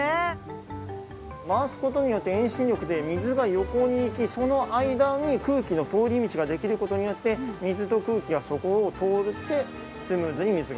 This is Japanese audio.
回す事によって遠心力で水が横に行きその間に空気の通り道ができる事によって水と空気がそこを通ってスムーズに水が落ちるんですね。